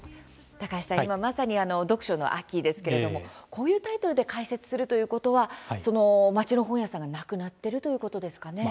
高橋さん、今まさに読書の秋ですけれども、こういうタイトルで解説するということは町の本屋さんがなくなっているということですかね。